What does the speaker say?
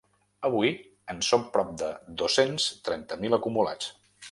Avui, en són prop de dos-cents trenta mil acumulats.